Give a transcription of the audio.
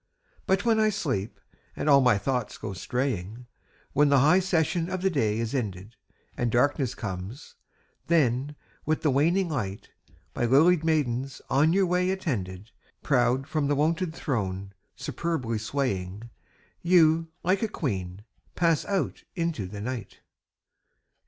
But when I sleep, and all my thoughts go straying, When the high session of the day is ended, And darkness comes; then, with the waning light, By lilied maidens on your way attended, Proud from the wonted throne, superbly swaying, You, like a queen, pass out into the night.